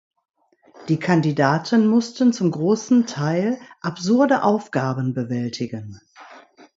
Die Kandidaten mussten zum großen Teil absurde Aufgaben bewältigen.